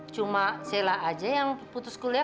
cuma sella aja yang putus kuliah